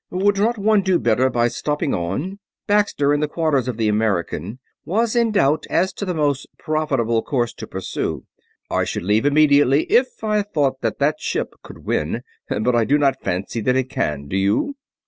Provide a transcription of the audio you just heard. "Would not one do better by stopping on?" Baxter, in the quarters of the American, was in doubt as to the most profitable course to pursue. "I should leave immediately if I thought that that ship could win; but I do not fancy that it can, do you?"